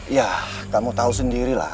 ya kamu tahu sendiri lah